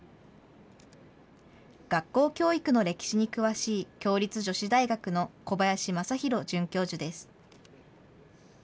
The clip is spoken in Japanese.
学校教育の歴史に詳しい、共立女子大学の小林正泰准教授です。